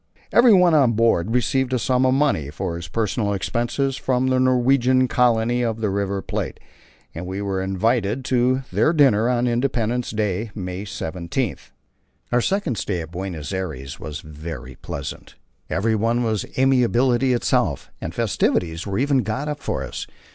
Everyone on board received a sum of money for his personal expenses from the Norwegian colony of the River Plate, and we were invited to their dinner on Independence Day, May 17. Our second stay at Buenos Aires was very pleasant; everyone was amiability itself, and festivities were even got up for us.